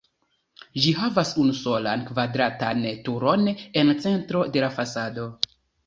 Ĝi havas unusolan kvadratan turon en centro de la fasado.